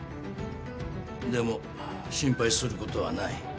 でも心配することはない。